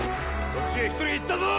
そっちへ１人行ったぞ！